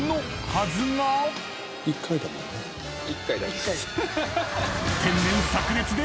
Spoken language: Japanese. １回。